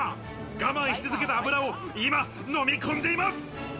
我慢し続けてた油を今飲み込んでいます。